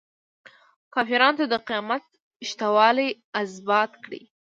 کافرانو ته د قیامت شته والی ازبات کړي.